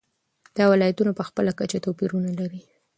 دا ولایتونه په خپله کچه توپیرونه لري.